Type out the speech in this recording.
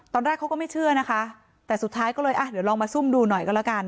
ตอนแรกเขาก็ไม่เชื่อนะคะแต่สุดท้ายก็เลยอ่ะเดี๋ยวลองมาซุ่มดูหน่อยก็แล้วกัน